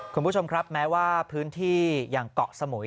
คุณผู้ชมครับแม้ว่าพื้นที่อย่างเกาะสมุย